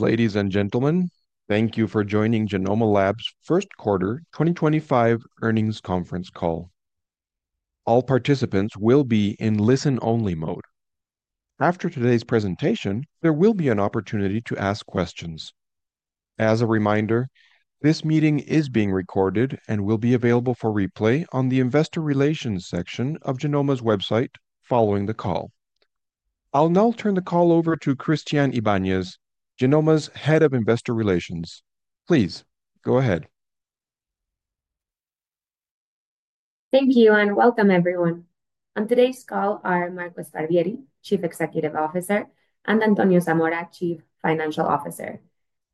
Ladies and gentlemen, thank you for joining Genomma Lab's First Quarter 2025 Earnings Conference Call. All participants will be in listen-only mode. After today's presentation, there will be an opportunity to ask questions. As a reminder, this meeting is being recorded and will be available for replay on the Investor Relations section of Genomma's website following the call. I'll now turn the call over to Christianne Ibañez, Genomma's Head of Investor Relations. Please go ahead. Thank you and welcome, everyone. On today's call are Marco Sparvieri, Chief Executive Officer, and Antonio Zamora, Chief Financial Officer.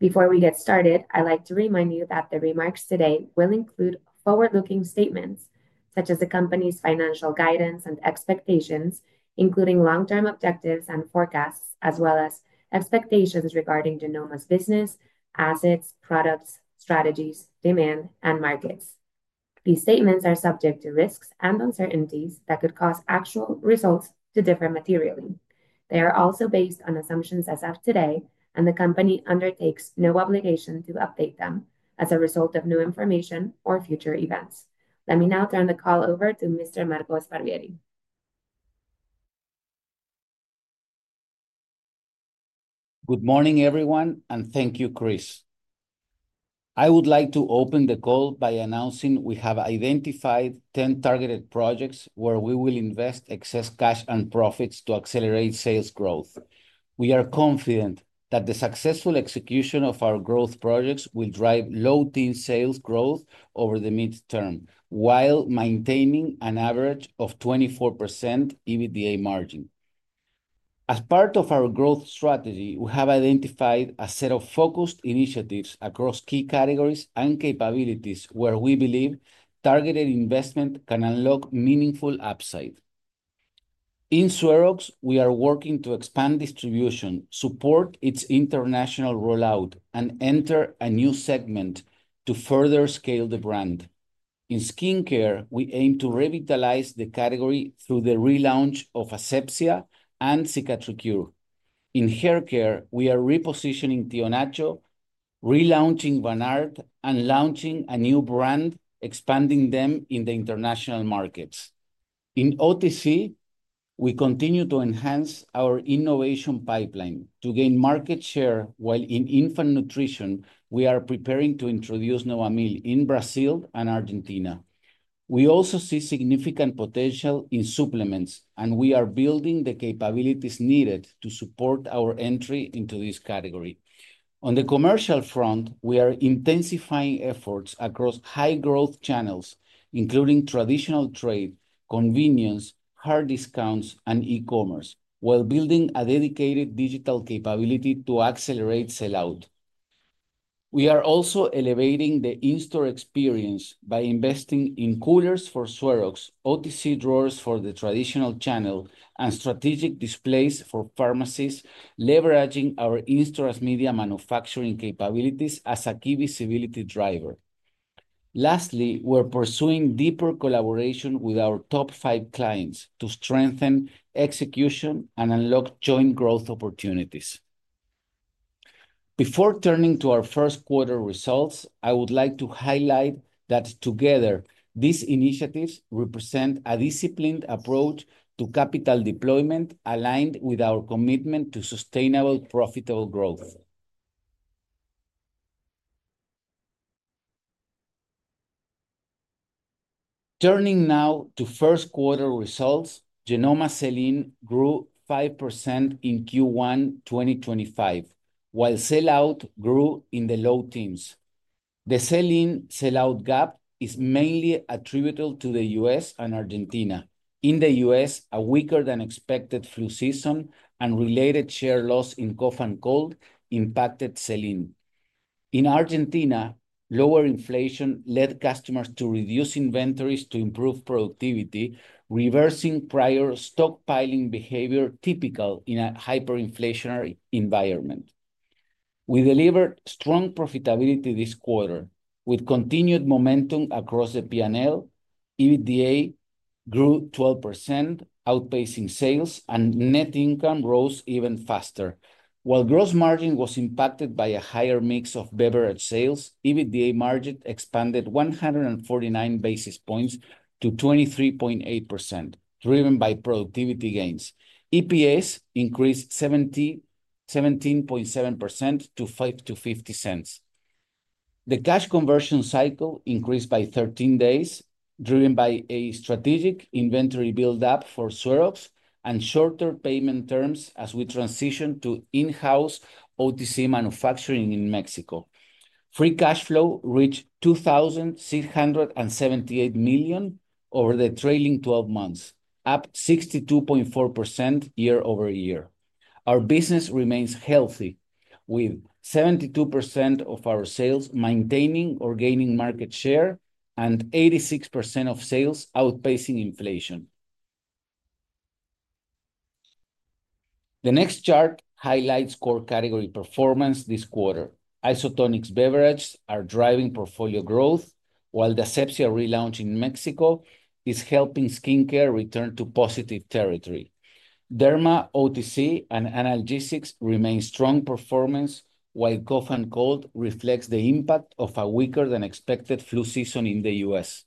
Before we get started, I'd like to remind you that the remarks today will include forward-looking statements such as the company's financial guidance and expectations, including long-term objectives and forecasts, as well as expectations regarding Genomma's business, assets, products, strategies, demand, and markets. These statements are subject to risks and uncertainties that could cause actual results to differ materially. They are also based on assumptions as of today, and the company undertakes no obligation to update them as a result of new information or future events. Let me now turn the call over to Mr. Marco Sparvieri. Good morning, everyone, and thank you, Chris. I would like to open the call by announcing we have identified 10 targeted projects where we will invest excess cash and profits to accelerate sales growth. We are confident that the successful execution of our growth projects will drive low-teens sales growth over the midterm while maintaining an average of 24% EBITDA margin. As part of our growth strategy, we have identified a set of focused initiatives across key categories and capabilities where we believe targeted investment can unlock meaningful upside. In SueroX, we are working to expand distribution, support its international rollout, and enter a new segment to further scale the brand. In skincare, we aim to revitalize the category through the relaunch of Asepxia and CicatriCure. In haircare, we are repositioning Tio Nacho, relaunching Vanart, and launching a new brand, expanding them in the international markets. In OTC, we continue to enhance our innovation pipeline to gain market share, while in infant nutrition, we are preparing to introduce Novamil in Brazil and Argentina. We also see significant potential in supplements, and we are building the capabilities needed to support our entry into this category. On the commercial front, we are intensifying efforts across high-growth channels, including traditional trade, convenience, hard discounts, and e-commerce, while building a dedicated digital capability to accelerate sellout. We are also elevating the in-store experience by investing in coolers for SueroX, OTC drawers for the traditional channel, and strategic displays for pharmacies, leveraging our in-store as media manufacturing capabilities as a key visibility driver. Lastly, we're pursuing deeper collaboration with our top five clients to strengthen execution and unlock joint growth opportunities. Before turning to our first quarter results, I would like to highlight that together, these initiatives represent a disciplined approach to capital deployment aligned with our commitment to sustainable, profitable growth. Turning now to first quarter results, Genomma sell-in grew 5% in Q1 2025, while sellout grew in the low teens. The sell-in/sellout gap is mainly attributable to the U.S. and Argentina. In the U.S., a weaker-than-expected flu season and related share loss in cough and cold impacted sell-in. In Argentina, lower inflation led customers to reduce inventories to improve productivity, reversing prior stockpiling behavior typical in a hyperinflationary environment. We delivered strong profitability this quarter with continued momentum across the P&L. EBITDA grew 12%, outpacing sales, and net income rose even faster. While gross margin was impacted by a higher mix of beverage sales, EBITDA margin expanded 149 basis points to 23.8%, driven by productivity gains. EPS increased 17.7% to $0.55. The cash conversion cycle increased by 13 days, driven by a strategic inventory build-up for SueroX and shorter payment terms as we transitioned to in-house OTC manufacturing in Mexico. Free cash flow reached 2,678 million over the trailing 12 months, up 62.4% year over year. Our business remains healthy, with 72% of our sales maintaining or gaining market share and 86% of sales outpacing inflation. The next chart highlights core category performance this quarter. Isotonics beverages are driving portfolio growth, while the Asepxia relaunch in Mexico is helping skincare return to positive territory. Derma, OTC, and analgesics remain strong performance, while cough and cold reflects the impact of a weaker-than-expected flu season in the U.S.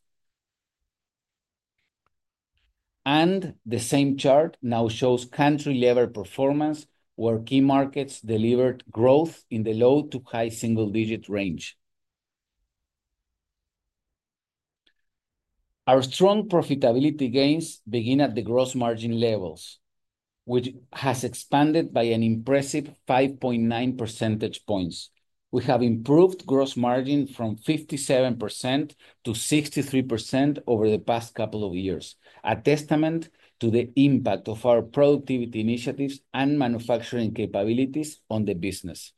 The same chart now shows country-level performance, where key markets delivered growth in the low to high single-digit range. Our strong profitability gains begin at the gross margin levels, which has expanded by an impressive 5.9 percentage points. We have improved gross margin from 57% to 63% over the past couple of years, a testament to the impact of our productivity initiatives and manufacturing capabilities on the business.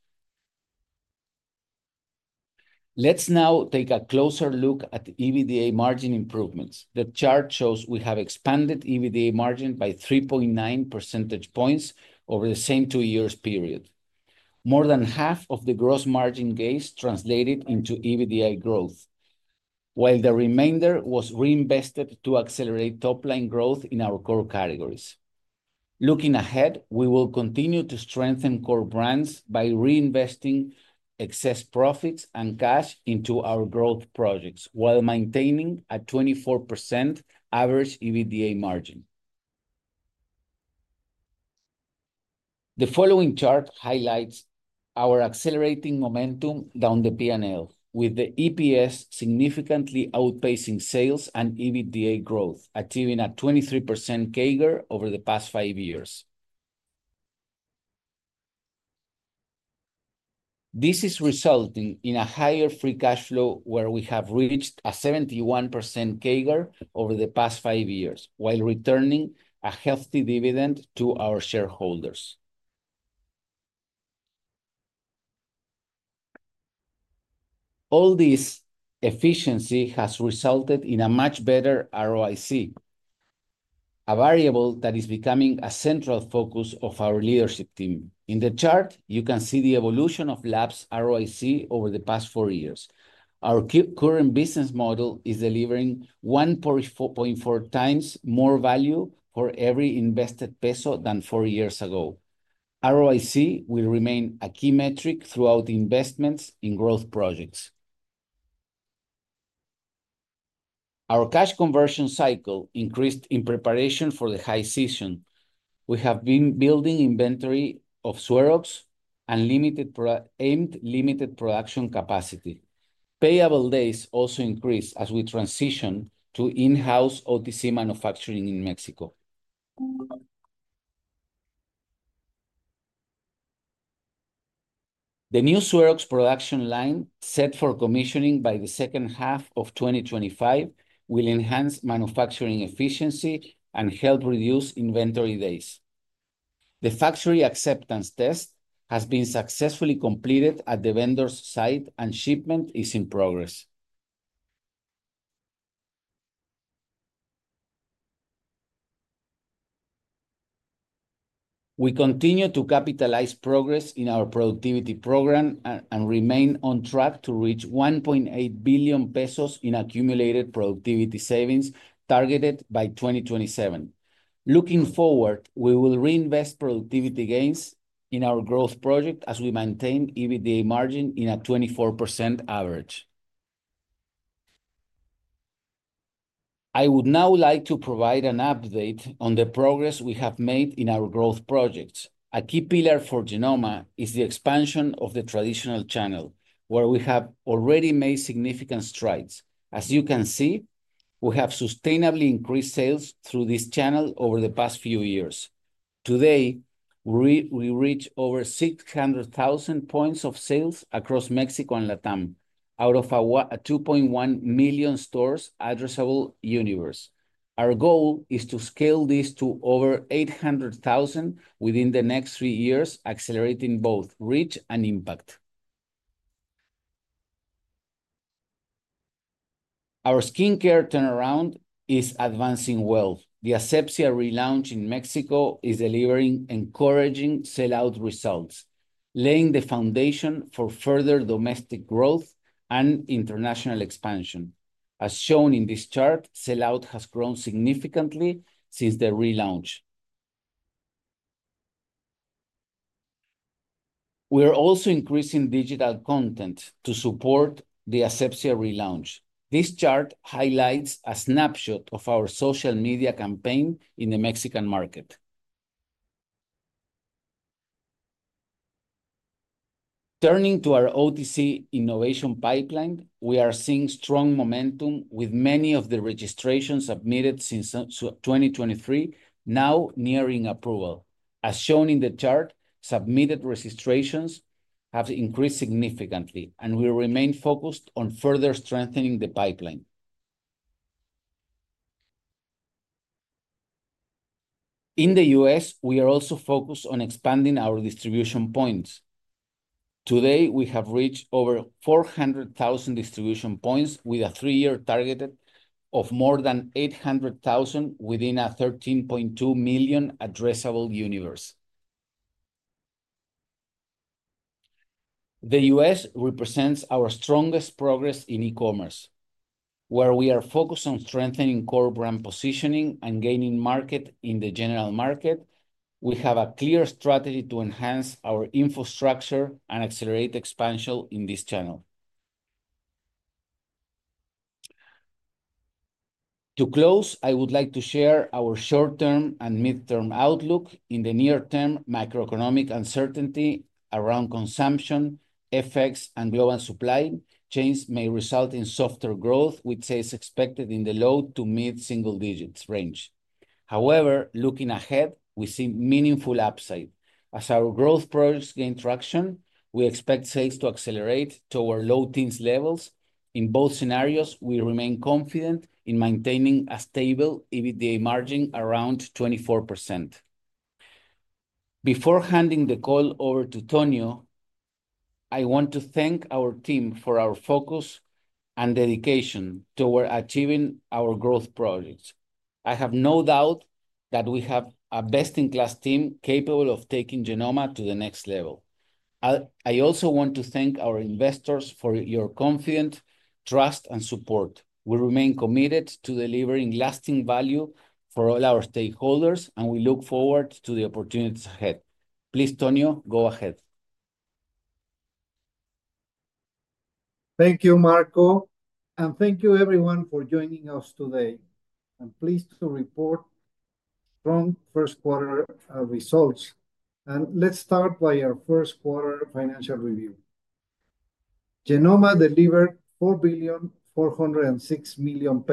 Let's now take a closer look at EBITDA margin improvements. The chart shows we have expanded EBITDA margin by 3.9 percentage points over the same two-year period. More than half of the gross margin gains translated into EBITDA growth, while the remainder was reinvested to accelerate top-line growth in our core categories. Looking ahead, we will continue to strengthen core brands by reinvesting excess profits and cash into our growth projects while maintaining a 24% average EBITDA margin. The following chart highlights our accelerating momentum down the P&L, with the EPS significantly outpacing sales and EBITDA growth, achieving a 23% CAGR over the past five years. This is resulting in a higher free cash flow, where we have reached a 71% CAGR over the past five years, while returning a healthy dividend to our shareholders. All this efficiency has resulted in a much better ROIC, a variable that is becoming a central focus of our leadership team. In the chart, you can see the evolution of Lab's ROIC over the past four years. Our current business model is delivering 1.4 times more value for every invested peso than four years ago. ROIC will remain a key metric throughout investments in growth projects. Our cash conversion cycle increased in preparation for the high season. We have been building inventory of SueroX and aimed limited production capacity. Payable days also increased as we transition to in-house OTC manufacturing in Mexico. The new SueroX production line, set for commissioning by the second half of 2025, will enhance manufacturing efficiency and help reduce inventory days. The factory acceptance test has been successfully completed at the vendor's site, and shipment is in progress. We continue to capitalize progress in our productivity program and remain on track to reach 1.8 billion pesos in accumulated productivity savings targeted by 2027. Looking forward, we will reinvest productivity gains in our growth project as we maintain EBITDA margin in a 24% average. I would now like to provide an update on the progress we have made in our growth projects. A key pillar for Genomma is the expansion of the traditional channel, where we have already made significant strides. As you can see, we have sustainably increased sales through this channel over the past few years. Today, we reach over 600,000 points of sales across Mexico and Latin America, out of 2.1 million stores addressable universe. Our goal is to scale this to over 800,000 within the next three years, accelerating both reach and impact. Our skincare turnaround is advancing well. The Asepxia relaunch in Mexico is delivering encouraging sellout results, laying the foundation for further domestic growth and international expansion. As shown in this chart, sellout has grown significantly since the relaunch. We are also increasing digital content to support the Asepxia relaunch. This chart highlights a snapshot of our social media campaign in the Mexican market. Turning to our OTC innovation pipeline, we are seeing strong momentum, with many of the registrations submitted since 2023 now nearing approval. As shown in the chart, submitted registrations have increased significantly, and we remain focused on further strengthening the pipeline. In the U.S., we are also focused on expanding our distribution points. Today, we have reached over 400,000 distribution points with a three-year target of more than 800,000 within a 13.2 million addressable universe. The U.S. represents our strongest progress in e-commerce, where we are focused on strengthening core brand positioning and gaining market in the general market. We have a clear strategy to enhance our infrastructure and accelerate expansion in this channel. To close, I would like to share our short-term and midterm outlook. In the near term, macroeconomic uncertainty around consumption, FX, and global supply chains may result in softer growth, with sales expected in the low to mid single digits range. However, looking ahead, we see meaningful upside. As our growth projects gain traction, we expect sales to accelerate toward low teens levels. In both scenarios, we remain confident in maintaining a stable EBITDA margin around 24%. Before handing the call over to Tonio, I want to thank our team for our focus and dedication toward achieving our growth projects. I have no doubt that we have a best-in-class team capable of taking Genomma to the next level. I also want to thank our investors for your confidence, trust, and support. We remain committed to delivering lasting value for all our stakeholders, and we look forward to the opportunities ahead. Please, Tonio, go ahead. Thank you, Marco, and thank you, everyone, for joining us today. I'm pleased to report strong first-quarter results. Let's start by our first-quarter financial review. Genomma delivered $4,406 million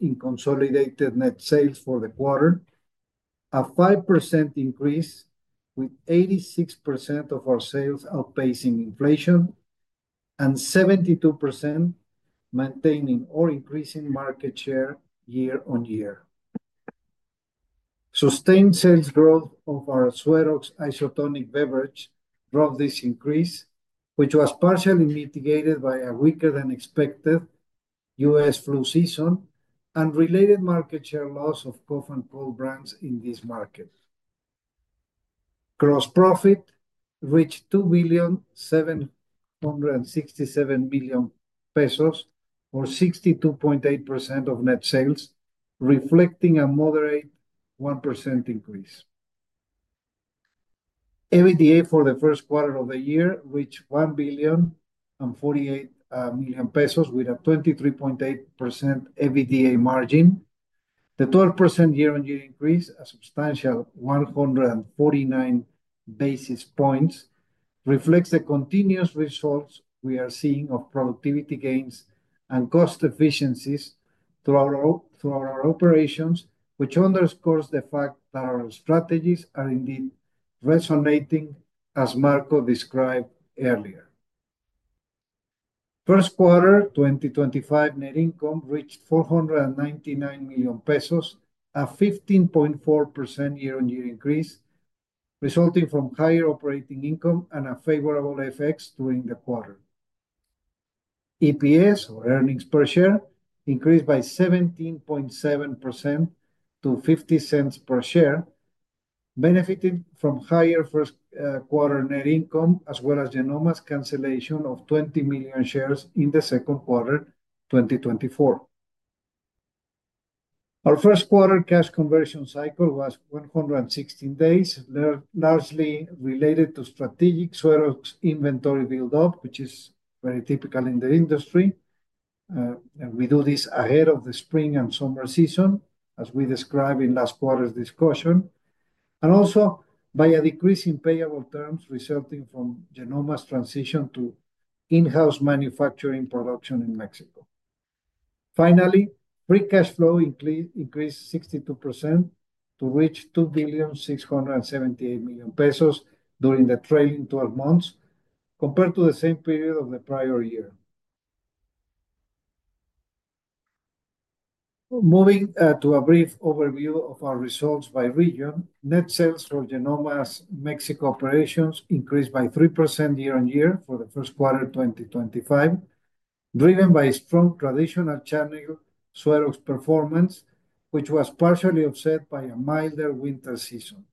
in consolidated net sales for the quarter, a 5% increase with 86% of our sales outpacing inflation and 72% maintaining or increasing market share year on year. Sustained sales growth of our SueroX isotonic beverage drove this increase, which was partially mitigated by a weaker-than-expected U.S. flu season and related market share loss of cough and cold brands in this market. Gross profit reached MXN $2,767 million or 62.8% of net sales, reflecting a moderate 1% increase. EBITDA for the first quarter of the year reached MXN $1,048 million with a 23.8% EBITDA margin. The 12% year on year increase, a substantial 149 basis points, reflects the continuous results we are seeing of productivity gains and cost efficiencies throughout our operations, which underscores the fact that our strategies are indeed resonating, as Marco described earlier. First quarter 2025 net income reached MXN $499 million, a 15.4% year-on-year increase resulting from higher operating income and favorable effects during the quarter. EPS, or earnings per share, increased by 17.7% to $0.50 per share, benefiting from higher first-quarter net income, as well as Genomma's cancellation of 20 million shares in the second quarter 2024. Our first-quarter cash conversion cycle was 116 days, largely related to strategic SueroX inventory build-up, which is very typical in the industry. We do this ahead of the spring and summer season, as we described in last quarter's discussion, and also by a decrease in payable terms resulting from Genomma's transition to in-house manufacturing production in Mexico. Finally, free cash flow increased 62% to reach MXN $2,678 million during the trailing 12 months, compared to the same period of the prior year. Moving to a brief overview of our results by region, net sales for Genomma's Mexico operations increased by 3% year-on-year for the first quarter 2025, driven by strong traditional channel SueroX performance, which was partially offset by a milder winter season.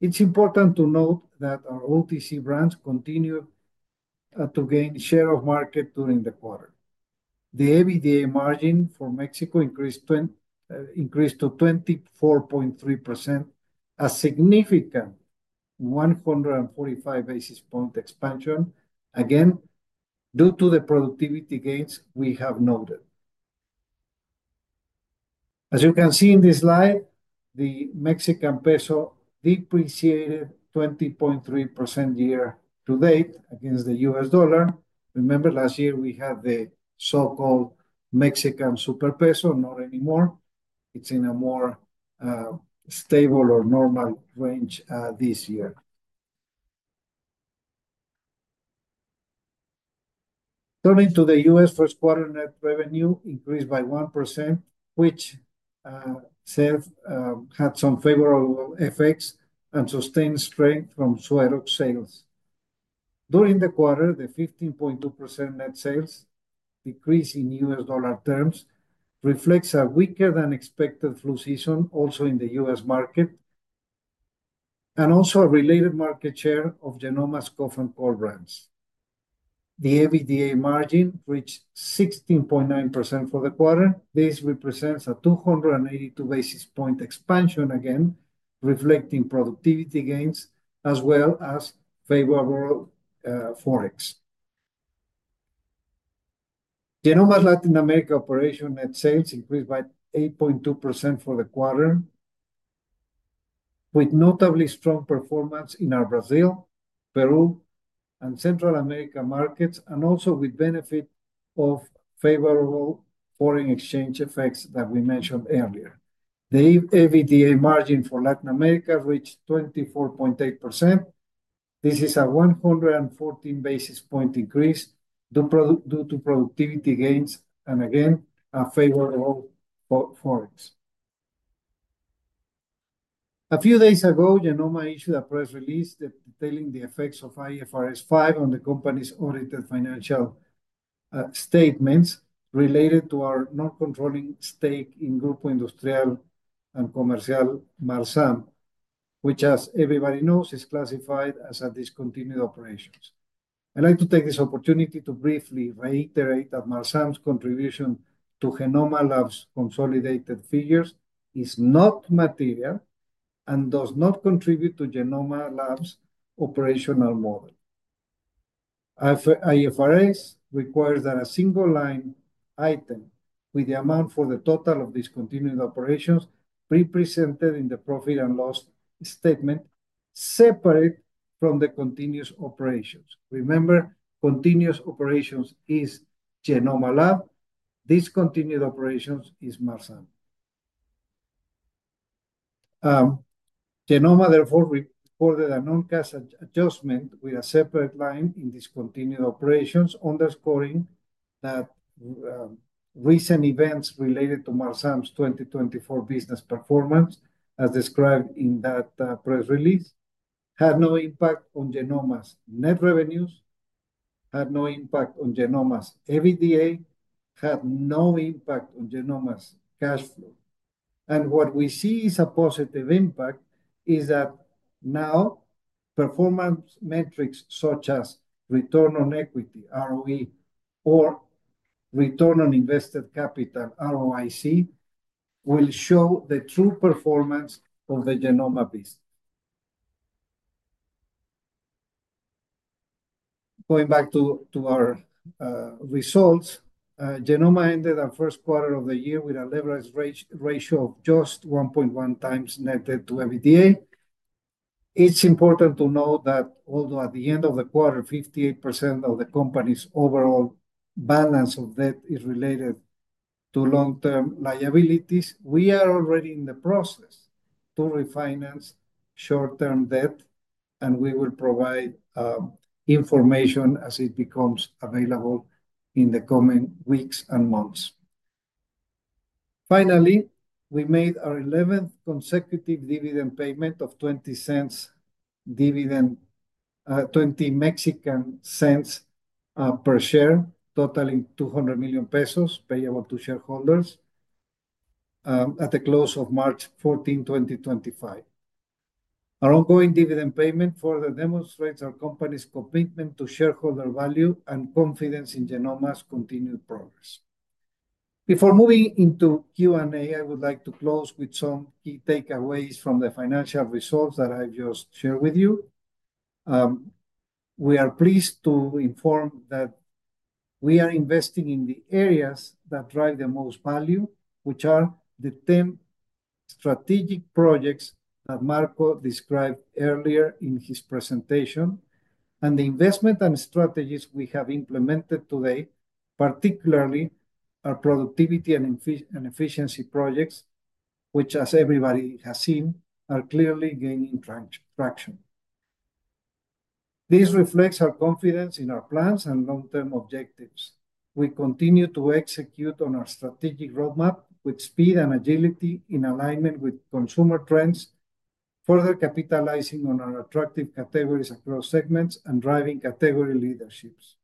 It's important to note that our OTC brands continued to gain share of market during the quarter. The EBITDA margin for Mexico increased to 24.3%, a significant 145 basis point expansion, again, due to the productivity gains we have noted. As you can see in this slide, the Mexican peso depreciated 20.3% year to date against the US dollar. Remember, last year we had the so-called Mexican super peso. Not anymore. It's in a more stable or normal range this year. Turning to the U.S. first-quarter net revenue, it increased by 1%, which sales had some favorable effects and sustained strength from SueroX sales. During the quarter, the 15.2% net sales decrease in US dollar terms reflects a weaker-than-expected flu season also in the U.S. market and also a related market share of Genomma's cough and cold brands. The EBITDA margin reached 16.9% for the quarter. This represents a 282 basis point expansion, again, reflecting productivity gains as well as favorable forex. Genomma's Latin America operation net sales increased by 8.2% for the quarter, with notably strong performance in our Brazil, Peru, and Central America markets, and also with benefit of favorable foreign exchange effects that we mentioned earlier. The EBITDA margin for Latin America reached 24.8%. This is a 114 basis point increase due to productivity gains and, again, a favorable forex. A few days ago, Genomma issued a press release detailing the effects of IFRS 5 on the company's audited financial statements related to our non-controlling stake in Grupo Industrial e Comercial Marzam, which, as everybody knows, is classified as discontinued operations. I'd like to take this opportunity to briefly reiterate that Marzam's contribution to Genomma Lab's consolidated figures is not material and does not contribute to Genomma Lab's operational model. IFRS requires that a single line item with the amount for the total of discontinued operations be presented in the profit and loss statement separate from the continuous operations. Remember, continuous operations is Genomma Lab. Discontinued operations is Marzam. Genomma, therefore, recorded a non-cash adjustment with a separate line in discontinued operations, underscoring that recent events related to Marzam's 2024 business performance, as described in that press release, had no impact on Genomma's net revenues, had no impact on Genomma's EBITDA, had no impact on Genomma's cash flow. What we see is a positive impact is that now performance metrics such as return on equity, ROE, or return on invested capital, ROIC, will show the true performance of the Genomma business. Going back to our results, Genomma ended our first quarter of the year with a leverage ratio of just 1.1 times net debt to EBITDA. It's important to note that although at the end of the quarter, 58% of the company's overall balance of debt is related to long-term liabilities, we are already in the process to refinance short-term debt, and we will provide information as it becomes available in the coming weeks and months. Finally, we made our 11th consecutive dividend payment of 0.20 per share, totaling 200 million pesos payable to shareholders at the close of March 14, 2025. Our ongoing dividend payment further demonstrates our company's commitment to shareholder value and confidence in Genomma's continued progress. Before moving into Q&A, I would like to close with some key takeaways from the financial results that I've just shared with you. We are pleased to inform that we are investing in the areas that drive the most value, which are the 10 strategic projects that Marco described earlier in his presentation, and the investment and strategies we have implemented today, particularly our productivity and efficiency projects, which, as everybody has seen, are clearly gaining traction. This reflects our confidence in our plans and long-term objectives. We continue to execute on our strategic roadmap with speed and agility in alignment with consumer trends, further capitalizing on our attractive categories across segments and driving category leaderships.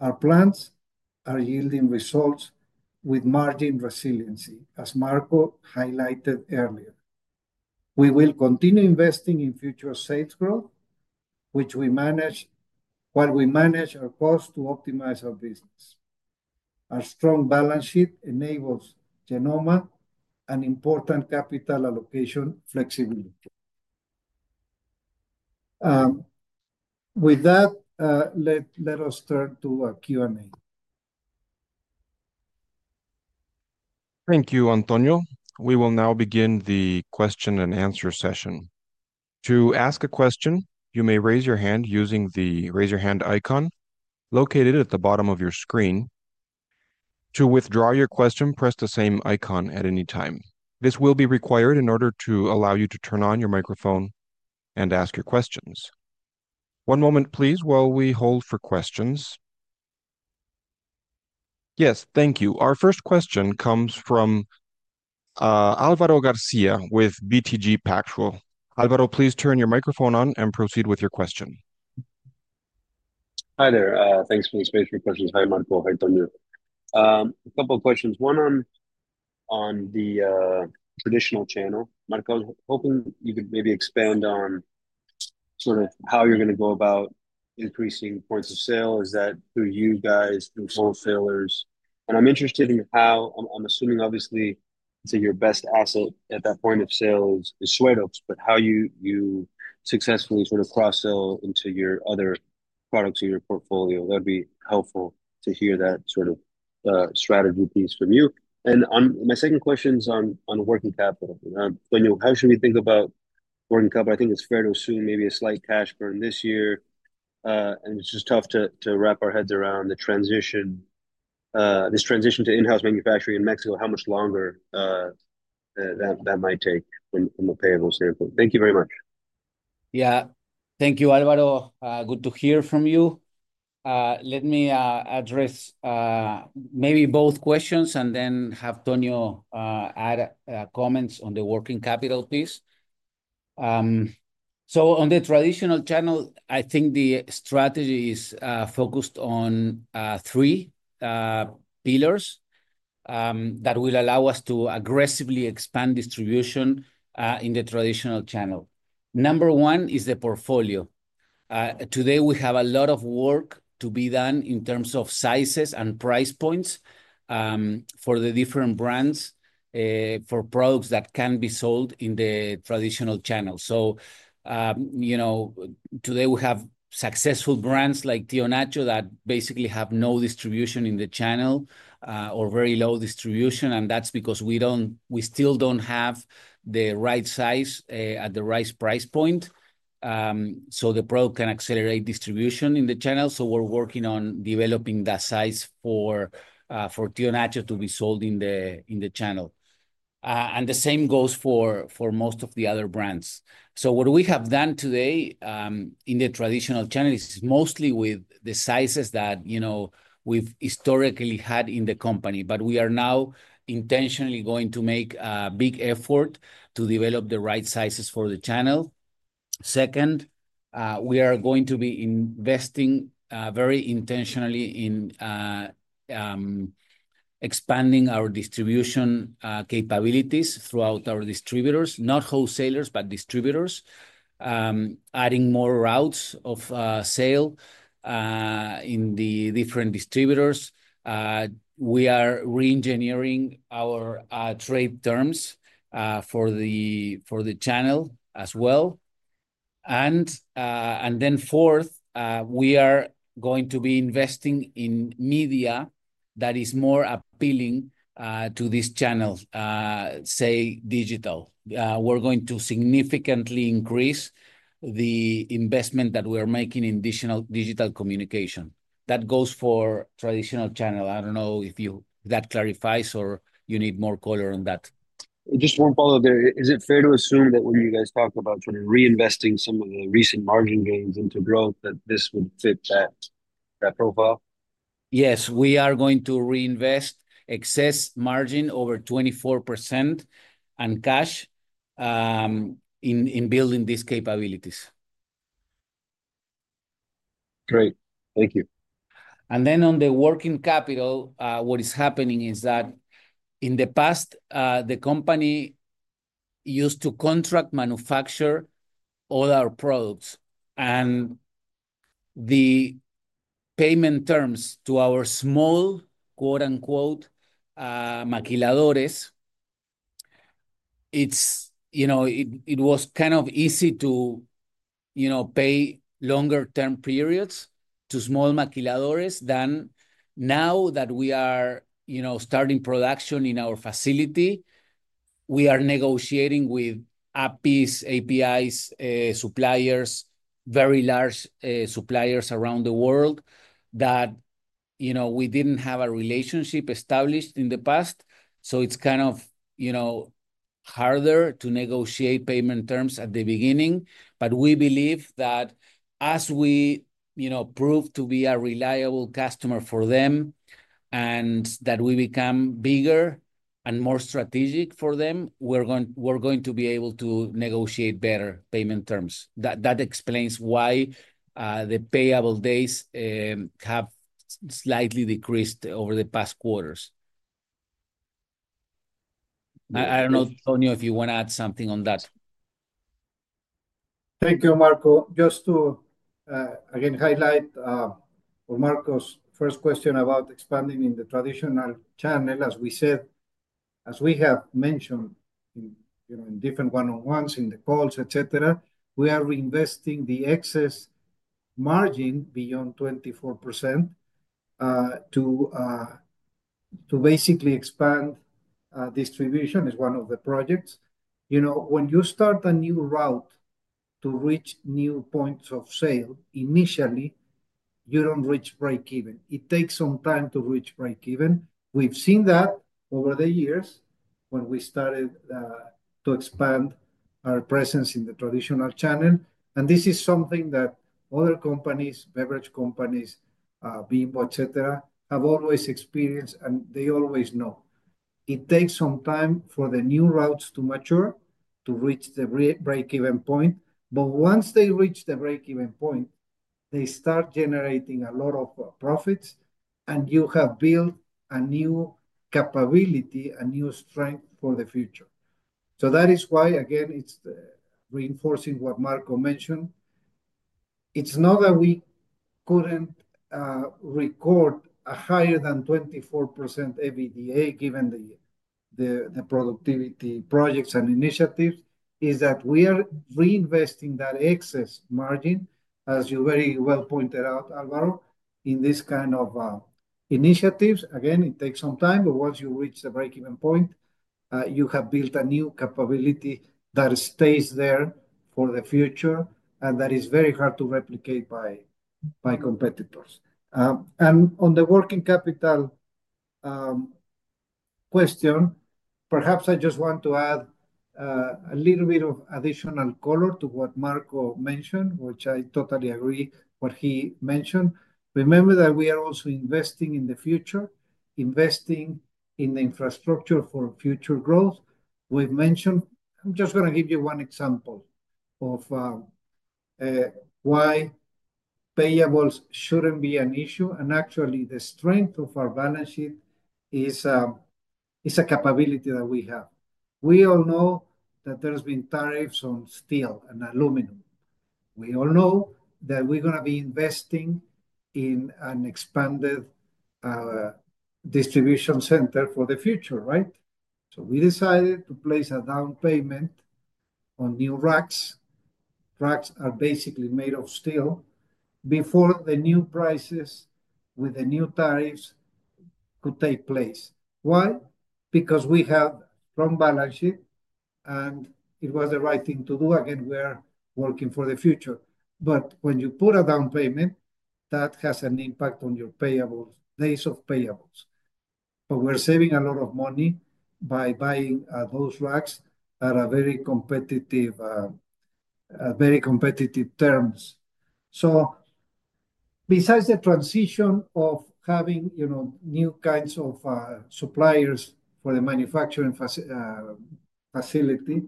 Our plans are yielding results with margin resiliency, as Marco highlighted earlier. We will continue investing in future sales growth, which we manage while we manage our costs to optimize our business. Our strong balance sheet enables Genomma an important capital allocation flexibility. With that, let us turn to a Q&A. Thank you, Antonio. We will now begin the question and answer session. To ask a question, you may raise your hand using the raise your hand icon located at the bottom of your screen. To withdraw your question, press the same icon at any time. This will be required in order to allow you to turn on your microphone and ask your questions. One moment, please, while we hold for questions. Yes, thank you. Our first question comes from Álvaro Garcia with BTG Pactual. Álvaro, please turn your microphone on and proceed with your question. Hi there. Thanks for the space for questions. Hi, Marco. Hi, Tonio. A couple of questions. One on on the traditional channel. Marco, I was hoping you could maybe expand on sort of how you're going to go about increasing points of sale. Is that through you guys, through wholesalers? I'm interested in how, I'm assuming, obviously, you'd say your best asset at that point of sale is SueroX, but how you you successfully sort of cross-sell into your other products in your portfolio. That'd be helpful to hear that sort of strategy piece from you. And my second question is on working capital. Tonio, how should we think about working capital? I think it's fair to assume maybe a slight cash burn this year, and it's just tough to wrap our heads around the transition to in-house manufacturing in Mexico, how much longer that might take from a payable standpoint. Thank you very much. Thank you, Álvaro. Good to hear from you. Let me address maybe both questions and then have Tonio add comments on the working capital piece. On the traditional channel, I think the strategy is focused on three pillars that will allow us to aggressively expand distribution in the traditional channel. Number one is the portfolio. Today, we have a lot of work to be done in terms of sizes and price points for the different brands for products that can be sold in the traditional channel. You know today, we have successful brands like Tio Nacho that basically have no distribution in the channel or very low distribution, and that's because we don't we still don't have the right size at the right price point so the product can accelerate distribution in the channel. We're working on developing that size for for Tio Nacho to be sold in the channel. And the same goes for most of the other brands. So what we have done today in the traditional channel is mostly with the sizes that you know we've historically had in the company, but we are now intentionally going to make a big effort to develop the right sizes for the channel. Second, we are going to be investing very intentionally in expanding our distribution capabilities throughout our distributors, not wholesalers, but distributors, adding more routes of sale in the different distributors. We are re-engineering our trade terms for the channel as well. And and then fourth, we are going to be investing in media that is more appealing to this channel, say, digital. We're going to significantly increase the investment that we are making in digital communication. That goes for traditional channel. I don't know if that clarifies or you need more color on that. Just one follow-up there. Is it fair to assume that when you guys talk about sort of reinvesting some of the recent margin gains into growth, that this would fit that profile? Yes, we are going to reinvest excess margin over 24% and cash in building these capabilities. Great. Thank you. And then on the working capital, what is happening is that in the past, the company used to contract manufacture all our products. And the payment terms to our small, "Maquiladoras", it's you know it was kind of easy to you know pay longer-term periods to small Maquiladoras. Than now that we are starting production in our facility, we are negotiating with APIs, API suppliers, very large suppliers around the world that you know we did not have a relationship established in the past. So it's kind of you know harder to negotiate payment terms at the beginning, but we believe that as we you know prove to be a reliable customer for them and that we become bigger and more strategic for them, we're going we're going to be able to negotiate better payment terms. That that explains why the payable days have slightly decreased over the past quarters. I don't know, Tonio, if you want to add something on that. Thank you, Marco. Just to, again, highlight for Marco's first question about expanding in the traditional channel, as we said, as we have mentioned in different one-on-ones, in the calls, etc., we are reinvesting the excess margin beyond 24% to to basically expand distribution is one of the projects. You know when you start a new route to reach new points of sale, initially, you don't reach break-even. It takes some time to reach break-even. We've seen that over the years when we started to expand our presence in the traditional channel. And this is something that other companies, beverage companies, Bimbo, etc., have always experienced, and they always know. It takes some time for the new routes to mature to reach the break-even point. But once they reach the break-even point, they start generating a lot of profits, and you have built a new capability, a new strength for the future. So that is why, again, it's reinforcing what Marco mentioned. It's not that we couldn't record a higher than 24% EBITDA given the productivity projects and initiatives. It's that we are reinvesting that excess margin, as you very well pointed out, Álvaro, in this kind of initiatives. Again, it takes some time, but once you reach the break-even point, you have built a new capability that stays there for the future and that is very hard to replicate by by competitors. On the working capital question, perhaps I just want to add a little bit of additional color to what Marco mentioned, which I totally agree with what he mentioned. Remember that we are also investing in the future, investing in the infrastructure for future growth. We've mentioned, I'm just going to give you one example of why payables shouldn't be an issue. And actually, the strength of our balance sheet is a a capability that we have. We all know that there have been tariffs on steel and aluminum. We all know that we're going to be investing in an expanded distribution center for the future, right? So we decided to place a down payment on new racks. Racks are basically made of steel before the new prices with the new tariffs could take place. Why? Because we have a strong balance sheet, and it was the right thing to do. Again, we are working for the future. But when you put a down payment, that has an impact on your payables, days of payables. We are saving a lot of money by buying those racks at a very compettive terms very competitive terms. So besides the transition of having you know new kinds of suppliers for the manufacturing facility,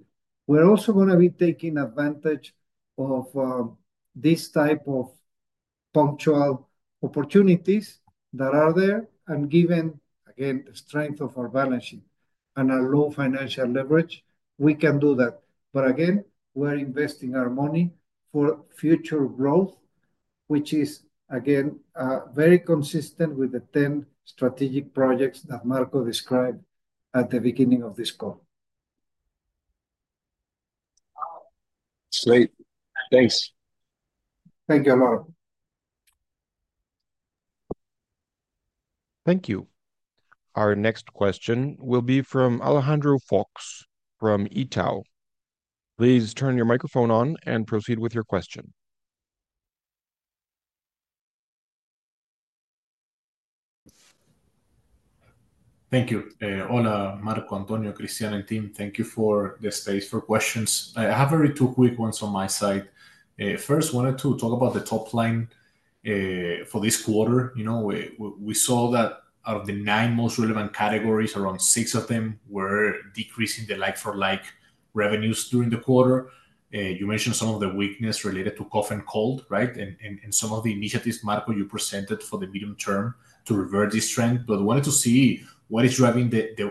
we are also going to be taking advantage of this type of punctual opportunities that are there. And given, again, the strength of our balance sheet and our low financial leverage, we can do that. But again, we're investing our money for future growth, which is, again, very consistent with the 10 strategic projects that Marco described at the beginning of this call. Great. Thanks. Thank you, Álvaro. Thank you. Our next question will be from Alejandro Fuchs from Itaú. Please turn your microphone on and proceed with your question. Thank you. Ona, Marco, Antonio, Christianne, and team, thank you for the space for questions. I have very two quick ones on my side. First, I wanted to talk about the top line for this quarter. You know we saw that out of the nine most relevant categories, around six of them were decreasing the like-for-like revenues during the quarter. And you mentioned some of the weakness related to cough and cold, right? And and some of the initiatives, Marco, you presented for the medium term to revert this trend. I wanted to see what is driving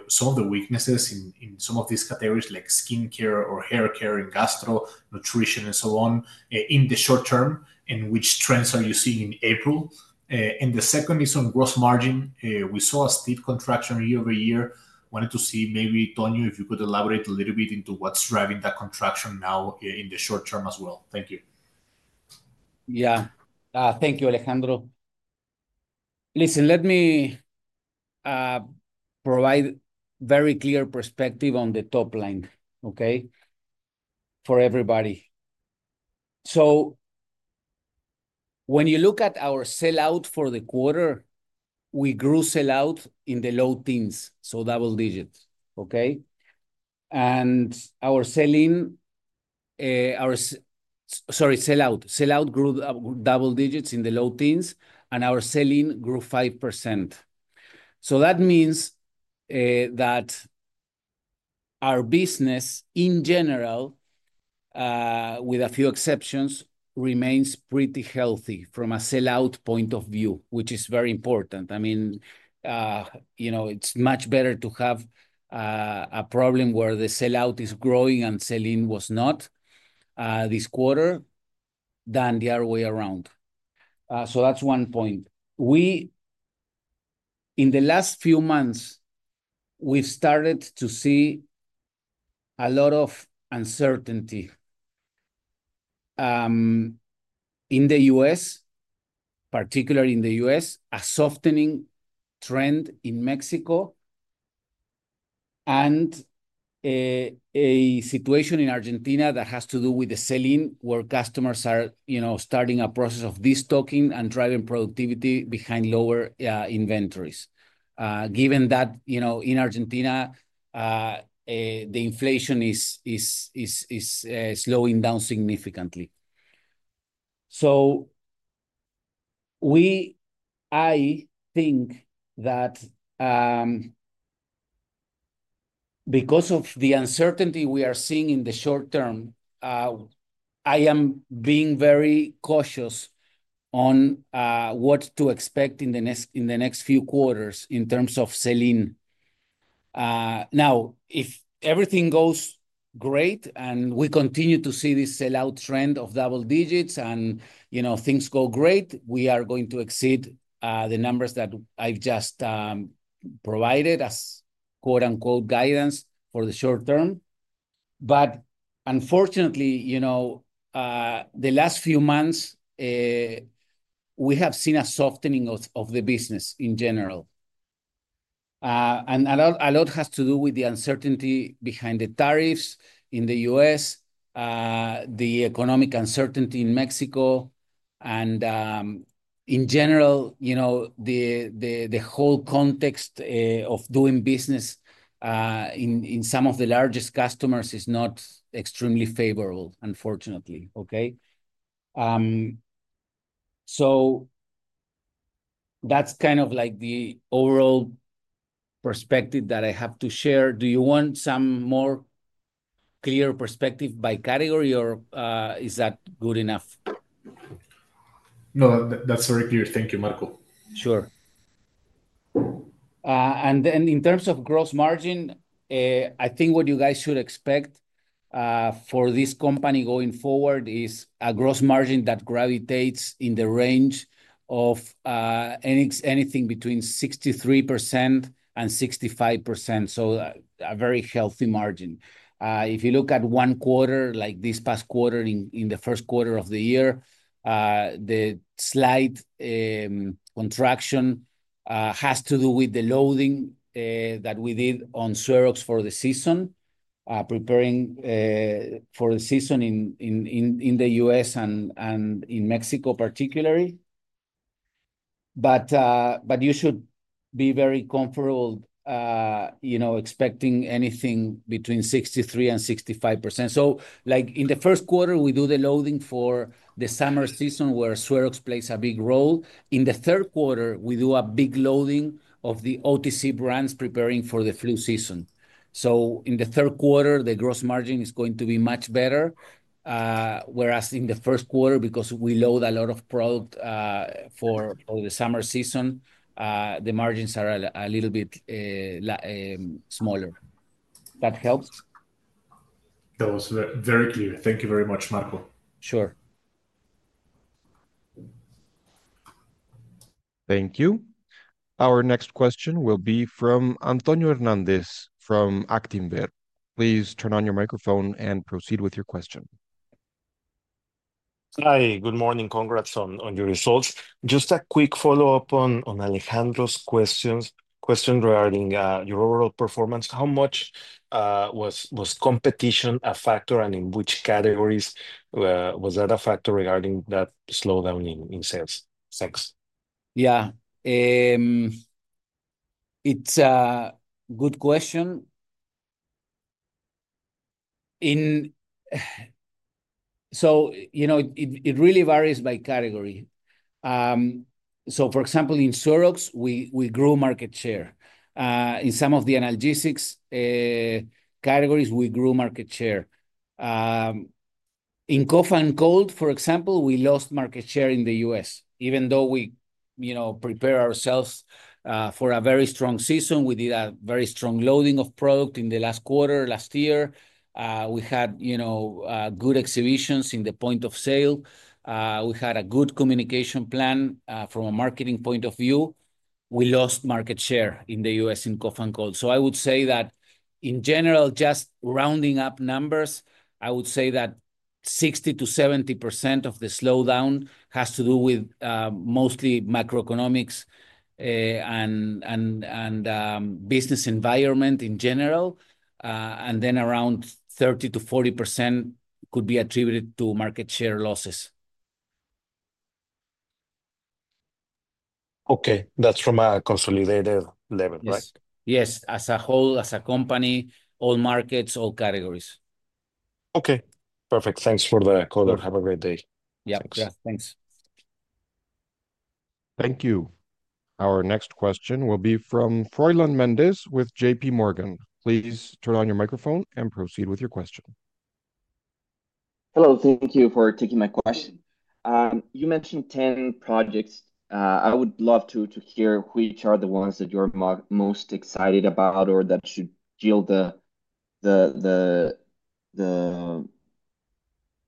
some of the weaknesses in some of these categories like skincare or hair care and gastro, nutrition, and so on in the short term, and which trends are you seeing in April? And the second is on gross margin. We saw a steep contraction year over year. Wanted to see maybe, Tonio, if you could elaborate a little bit into what's driving that contraction now in the short term as well. Thank you. Yeah. Thank you, Alejandro. Listen, let me provide a very clear perspective on the top line, okay, for everybody. So when you look at our sell-out for the quarter, we grew sell-out in the low teens, so double digits, okay? And our sell-in, sorry, sell-out, sell-out grew double digits in the low teens, and our sell-in grew 5%. So that means that our business, in general, with a few exceptions, remains pretty healthy from a sell-out point of view, which is very important. I mean, you know it's much better to have a problem where the sell-out is growing and sell-in was not this quarter than the other way around. So that's one point. We in the last few months, we've started to see a lot of uncertainty in the U.S., particularly in the U.S., a softening trend in Mexico, and a a situation in Argentina that has to do with the sell-in where customers are you know starting a process of distocking and driving productivity behind lower inventories, given that you know in Argentina, the inflation is is is is slowing down significantly. So we I think that because of the uncertainty we are seeing in the short term, I am being very cautious on what to expect in the next few quarters in terms of sell-in. Now, if everything goes great and we continue to see this sell-out trend of double digits and you know things go great, we are going to exceed the numbers that I've just provided as "guidance" for the short term. But unfortunately, you know the last few months, we have seen a softening of of the business in general. And a lot has to do with the uncertainty behind the tariffs in the U.S., the economic uncertainty in Mexico, and in general, you know the the whole context of doing business in in some of the largest customers is not extremely favorable, unfortunately, okay? So that's kind of like the overall perspective that I have to share. Do you want some more clear perspective by category, or is that good enough? No, that's very clear. Thank you, Marco. Sure. And then in terms of gross margin, I think what you guys should expect for this company going forward is a gross margin that gravitates in the range of anything between 63% and 65%, so a very healthy margin. If you look at one quarter, like this past quarter, in the first quarter of the year, the slight contraction has to do with the loading that we did on SueroX for the season, preparing for the season in the U.S. and in Mexico, particularly. But but you should be very comfortable you know expecting anything between 63% and 65%. So like in the first quarter, we do the loading for the summer season where SueroX plays a big role. In the third quarter, we do a big loading of the OTC brands preparing for the flu season. So in the third quarter, the gross margin is going to be much better, whereas in the first quarter, because we load a lot of product for for the summer season, the margins are a little bit smaller. That helps? That was very clear. Thank you very much, Marco. Sure. Thank you. Our next question will be from Antonio Hernandez from Actinver. Please turn on your microphone and proceed with your question. Hi, good morning. Congrats on your results. Just a quick follow-up on Alejandro's question question regarding your overall performance. How much was competition a factor, and in which categories was that a factor regarding that slowdown in in sales? Thanks. Yeah. It's a good question. So you know it really varies by category. So for example, in SueroX, we we grew market share. In some of the analgesics categories, we grew market share. In cough and cold, for example, we lost market share in the U.S. Even though we you know prepared ourselves for a very strong season, we did a very strong loading of product in the last quarter, last year. We had you know good exhibitions in the point of sale. We had a good communication plan from a marketing point of view. We lost market share in the U.S. in cough and cold. So I would say that in general, just rounding up numbers, I would say that 60%-70% of the slowdown has to do with mostly macroeconomics and and and business environment in general. And then around 30%-40% could be attributed to market share losses. Okay. That is from a consolidated level, right? Yes. As a whole, as a company, all markets, all categories. Okay. Perfect. Thanks for the call, and have a great day. Yeah. Thanks. Thank you. Our next question will be from Froylan Mendez with JP Morgan. Please turn on your microphone and proceed with your question. Hello. Thank you for taking my question. You mentioned 10 projects. I would love to hear which are the ones that you're most excited about or that should yield the the the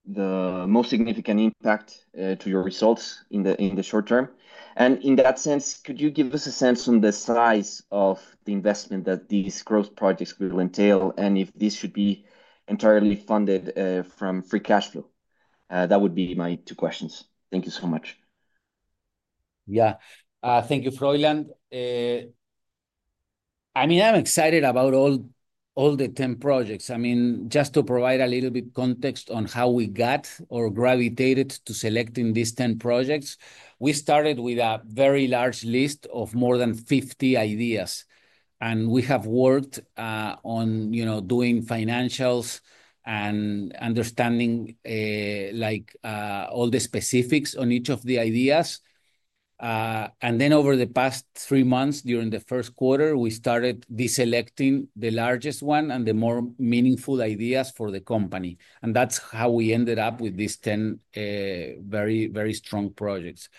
the most significant impact to your results in the short term. And in that sense, could you give us a sense on the size of the investment that these gross projects will entail and if this should be entirely funded from free cash flow? That would be my two questions. Thank you so much. Yeah. Thank you, Froylan. I mean, I'm excited about all all the 10 projects. I mean, just to provide a little bit of context on how we got or gravitated to selecting these 10 projects, we started with a very large list of more than 50 ideas. And we have worked on doing financials and understanding like all the specifics on each of the ideas. And then over the past three months, during the first quarter, we started deselecting the largest one and the more meaningful ideas for the company. And that is how we ended up with these 10 very, very strong projects.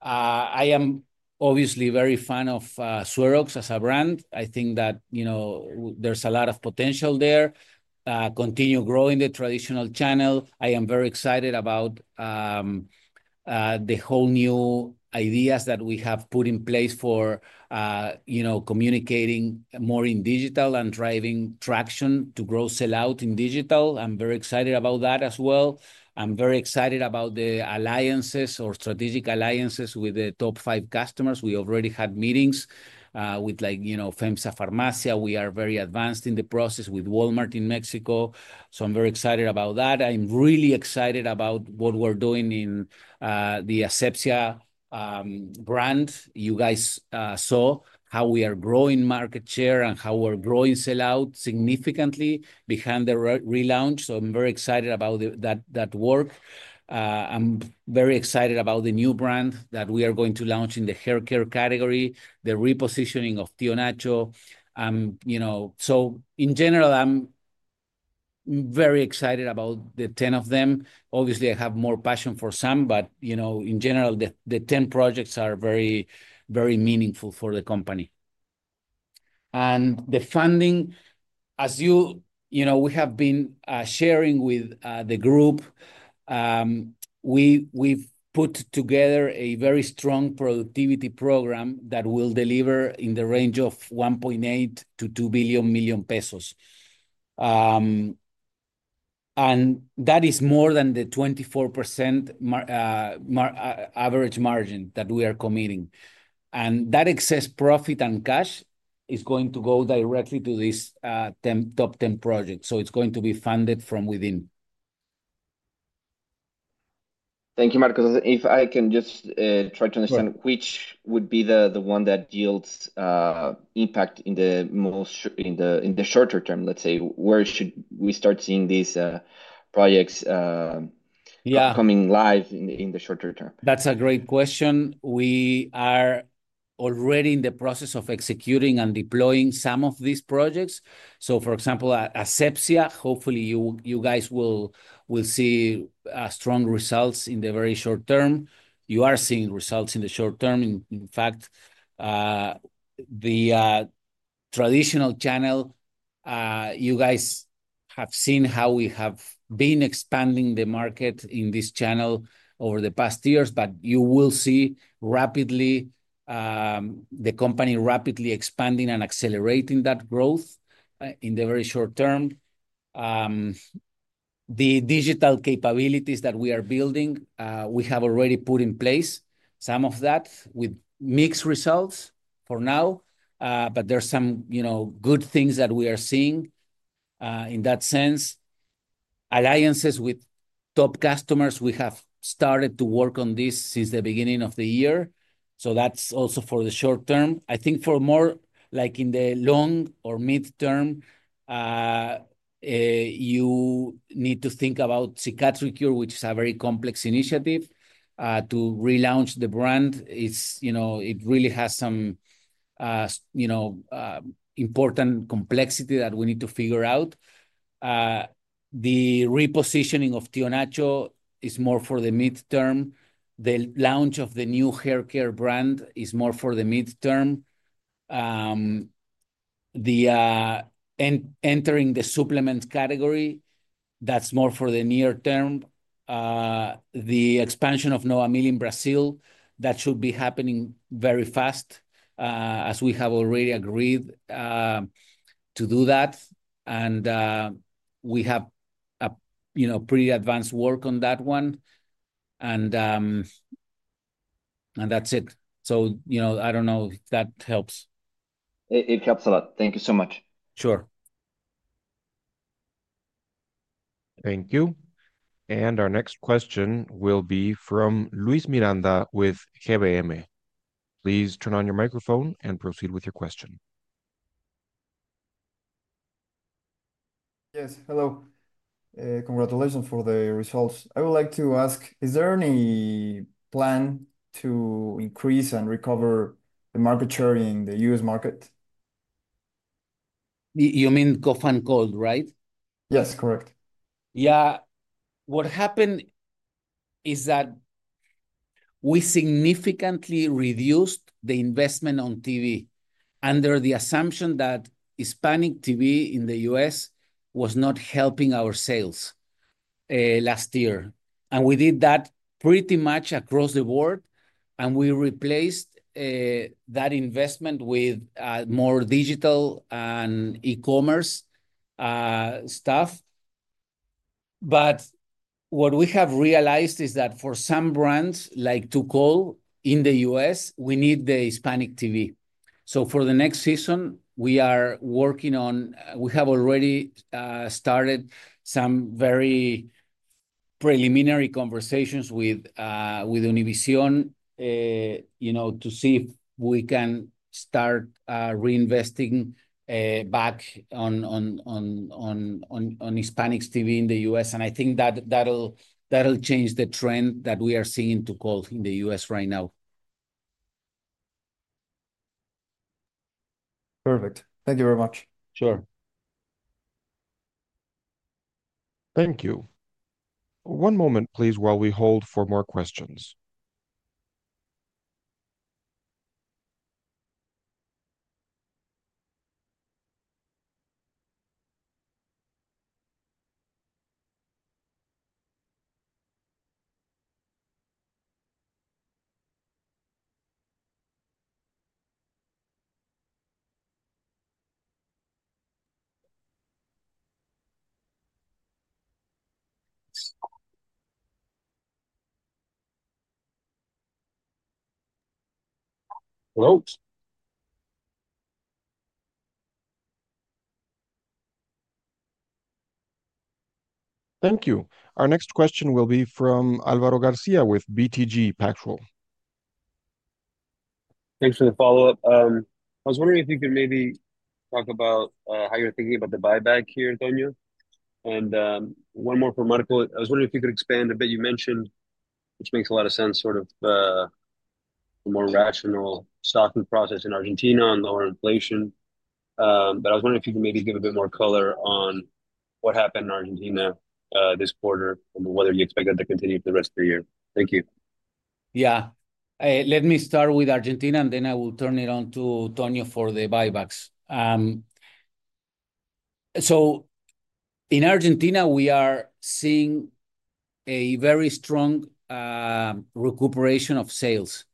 I am obviously very fond of SueroX as a brand. I think that you know there is a lot of potential there. Continue growing the traditional channel. I am very excited about the whole new ideas that we have put in place for you know communicating more in digital and driving traction to grow sell-out in digital. I am very excited about that as well. I am very excited about the alliances or strategic alliances with the top five customers. We already had meetings with FEMSA Farmacias. We are very advanced in the process with Walmart in Mexico. So I'm very excited about that. I'm really excited about what we're doing in the Asepxia brand. You guys saw how we are growing market share and how we're growing sell-out significantly behind the relaunch. I'm very excited about that that work. I'm very excited about the new brand that we are going to launch in the hair care category, the repositioning of Tio Nacho. And you know so in general, I'm very excited about the 10 of them. Obviously, I have more passion for some, but you know in general, the the 10 projects are very, very meaningful for the company. And the funding, as you you know we have been sharing with the group, we we've put together a very strong productivity program that will deliver in the range of 1.8 billion-2 billion. And that is more than the 24% average margin that we are committing. And that excess profit and cash is going to go directly to these top 10 projects. So it is going to be funded from within. Thank you, Marco. If I can just try to understand which would be the one that yields impact in the most in the shorter term, let's say, where should we start seeing these projects coming live in the shorter term? That's a great question. We are already in the process of executing and deploying some of these projects. So for example, Asepxia, hopefully, you you guys will will see strong results in the very short term. You are seeing results in the short term. In fact, the traditional channel, you guys have seen how we have been expanding the market in this channel over the past years, but you will see rapidly the company rapidly expanding and accelerating that growth in the very short term. The digital capabilities that we are building, we have already put in place some of that with mixed results for now, but there are some good things that we are seeing in that sense. Alliances with top customers, we have started to work on this since the beginning of the year. So that is also for the short term. I think for more like in the long or midterm, you need to think about CicatriCure, which is a very complex initiative to relaunch the brand. It you know it really has some you know important complexity that we need to figure out. The repositioning of Tio Nacho is more for the midterm. The launch of the new hair care brand is more for the midterm. The entering the supplement category, that is more for the near term. The expansion of Novamil in Brazil, that should be happening very fast as we have already agreed to do that. And we have you know pretty advanced work on that one. And and that's it. So I do not know if that helps. It helps a lot. Thank you so much. Sure. Thank you. And our next question will be from Luis Miranda with GBM. Please turn on your microphone and proceed with your question. Yes. Hello. Congratulations for the results. I would like to ask, is there any plan to increase and recover the market share in the U.S. market? You mean cough and cold, right? Yes, correct. What happened is that we significantly reduced the investment on TV under the assumption that Hispanic TV in the U.S. was not helping our sales last year. And we did that pretty much across the board. And we replaced that investment with more digital and e-commerce stuff. But what we have realized is that for some brands like Tukol in the U.S., we need the Hispanic TV. So for the next season, we are working on, we have already started some very preliminary conversations with Univision to see if we can start reinvesting back on on on on Hispanic TV in the U.S. And I think that'll that'll that'll change the trend that we are seeing in Tukol in the U.S. right now. Perfect. Thank you very much. Sure. Thank you. One moment, please, while we hold for more questions. Hello. Thank you. Our next question will be from Álvaro Garcia with BTG Pactual. Thanks for the follow-up. I was wondering if you could maybe talk about how you're thinking about the buyback here, Antonio. One more for Marco. I was wondering if you could expand a bit. You mentioned, which makes a lot of sense, sort of a a more rational stocking process in Argentina and lower inflation. I was wondering if you could maybe give a bit more color on what happened in Argentina this quarter and whether you expect that to continue for the rest of the year. Thank you. Yeah. Let me start with Argentina, and then I will turn it on to Tonio for the buybacks. So in Argentina, we are seeing a very strong recuperation of sales,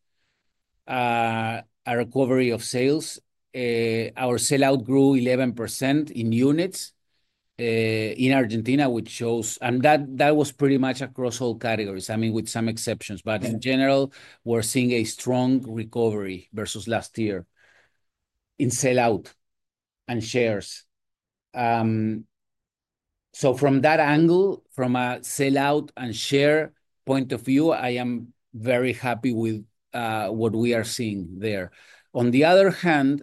a a recovery of sales. Our sellout grew 11% in units in Argentina, which shows and that that was pretty much across all categories, I mean, with some exceptions. But in general, we're seeing a strong recovery versus last year in sellout and shares. So from that angle, from a sellout and share point of view, I am very happy with what we are seeing there. On the other hand,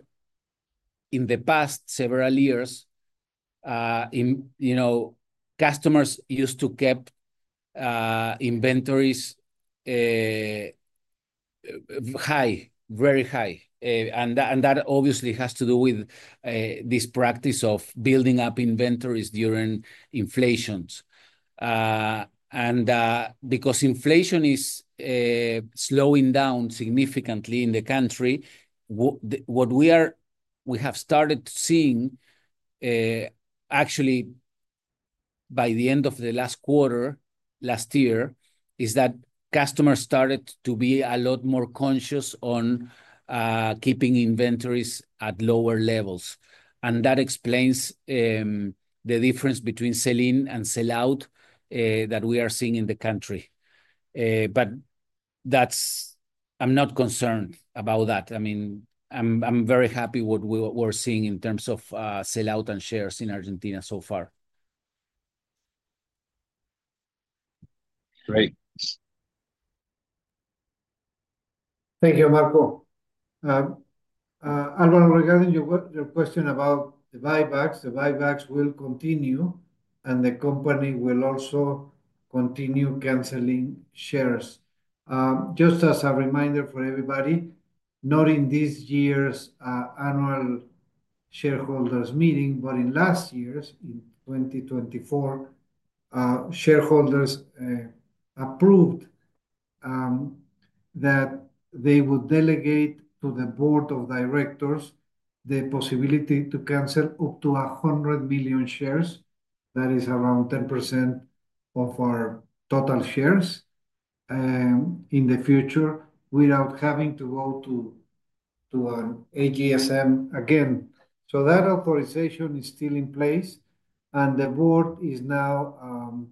in the past several years, you know customers used to keep inventories high, very high. And that obviously has to do with this practice of building up inventories during inflations. And because inflation is slowing down significantly in the country, what what we have started seeing actually by the end of the last quarter last year is that customers started to be a lot more conscious on keeping inventories at lower levels. And that explains the difference between sell-in and sellout that we are seeing in the country. But that's I am not concerned about that. I mean, I'm I'm very happy with what we are seeing in terms of sellout and shares in Argentina so far. Great. Thank you, Marco. Álvaro, regarding your question about the buybacks, the buybacks will continue, and the company will also continue canceling shares. Just as a reminder for everybody, not in this year's annual shareholders' meeting, but in last year's in 2024, shareholders approved that they would delegate to the board of directors the possibility to cancel up to 100 million shares. That is around 10% of our total shares in the future without having to go to an AGSM again. So that authorization is still in place. And the board is now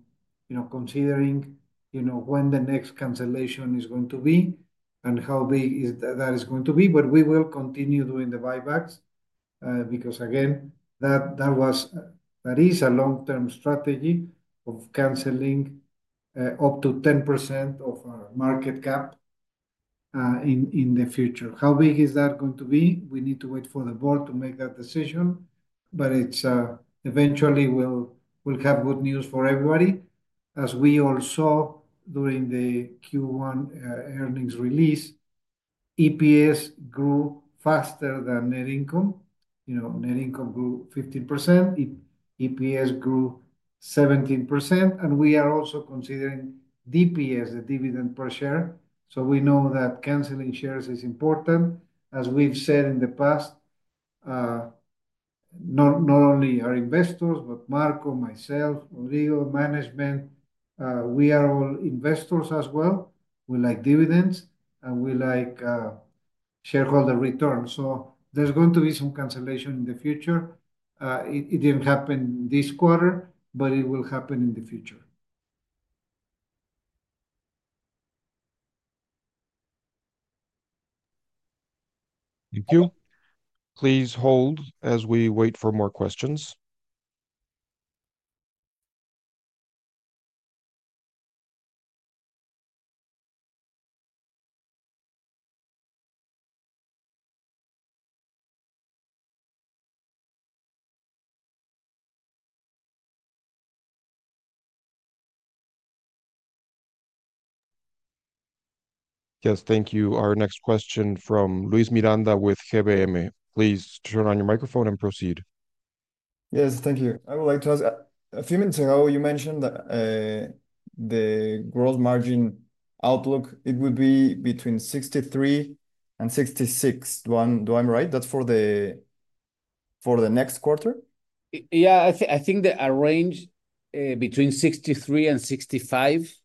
considering when the next cancellation is going to be and how big that is going to be. But we will continue doing the buybacks because, again, that was that is a long-term strategy of canceling up to 10% of our market cap in in the future. How big is that going to be? We need to wait for the board to make that decision. But it's eventually, we'll we'll have good news for everybody. As we all saw during the Q1 earnings release, EPS grew faster than net income. You know net income grew 15%. EPS grew 17%. And we are also considering DPS, the dividend per share. So we know that canceling shares is important. As we've said in the past, not not only our investors, but Marco, myself, Rodrigo, management, we are all investors as well. We like dividends, and we like shareholder return. So there is going to be some cancellation in the future. It did not happen this quarter, but it will happen in the future. Thank you. Please hold as we wait for more questions. Yes, thank you. Our next question from Luis Miranda with GBM. Please turn on your microphone and proceed. Yes, thank you. I would like to ask, a few minutes ago, you mentioned that the gross margin outlook, it would be between 63% and 66%. Do I am right? That's for the next quarter? Yeah, I think the range between 63% and 65%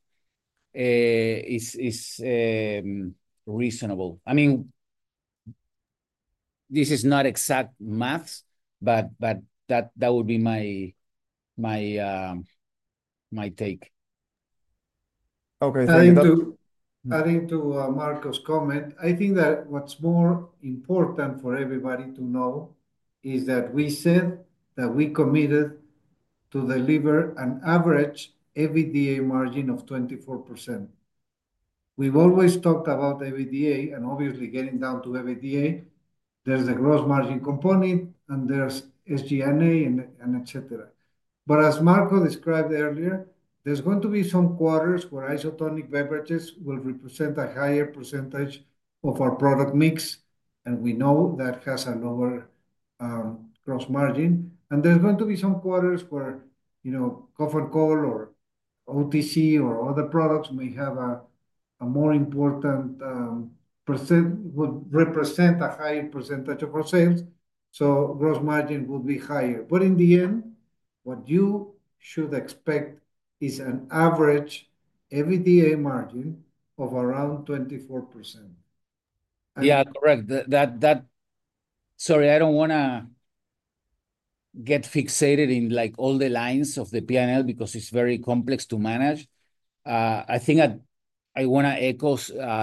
is is reasonable. I mean, this is not exact math, but but that that would be my my my take. Okay. Thank you. Adding to Marco's comment, I think that what's more important for everybody to know is that we said that we committed to deliver an average EBITDA margin of 24%. We've always talked about EBITDA, and obviously, getting down to EBITDA, there's the gross margin component, and there's SG&A, and etc. But as Marco described earlier, there's going to be some quarters where isotonic beverages will represent a higher percentage of our product mix, and we know that has a lower gross margin. And there are going to be some quarters where you know cough and cold or OTC or other products may have a a more important percent, would represent a higher percentage of our sales. So gross margin would be higher. But in the end, what you should expect is an average EBITDA margin of around 24%. Yeah, correct that that. Sorry, I do not want to get fixated in all the lines of the P&L because it is very complex to manage. I think I want to echo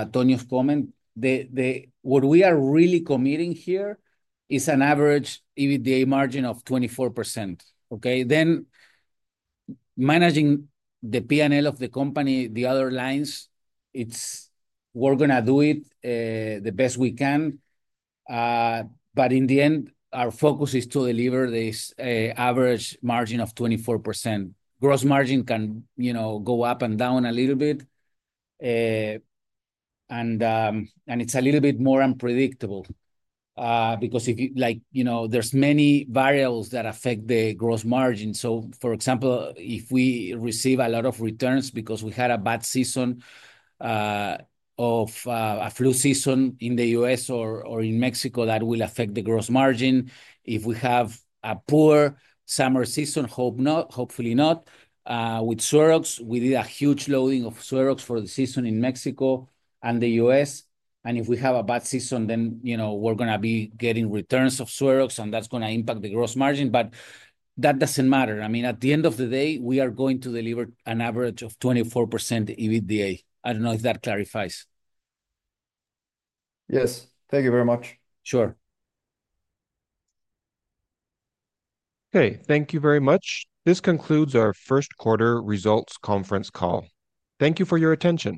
Tonio's comment. They they what we are really committing here is an average EBITDA margin of 24%. Okay? Then managing the P&L of the company, the other lines, it's we are going to do it the best we can. But in the end, our focus is to deliver this average margin of 24%. Gross margin can you know go up and down a little bit. And it is a little bit more unpredictable because like you know there are many variables that affect the gross margin. So for example, if we receive a lot of returns because we had a bad season of a flu season in the U.S. or or in Mexico, that will affect the gross margin. If we have a poor summer season, hope not, hopefully not. With SueroX, we did a huge loading of SueroX for the season in Mexico and the U.S. And if we have a bad season, then you know we are going to be getting returns of SueroX, and that is going to impact the gross margin. But that does not matter. I mean, at the end of the day, we are going to deliver an average of 24% EBITDA. I do not know if that clarifies. Yes. Thank you very much. Sure. Okay. Thank you very much. This concludes our first quarter results conference call. Thank you for your attention.